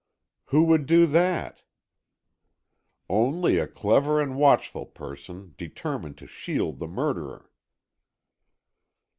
"Who would do that?" "Only a clever and watchful person, determined to shield the murderer."